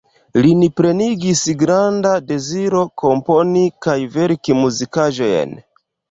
Lin plenigis granda deziro komponi kaj verki muzikaĵojn.